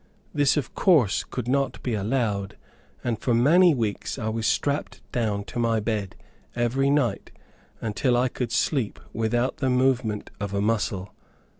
This of course could not be allowed, and for many weeks I was strapped down to my bed every night, until I could sleep without the movement of a muscle.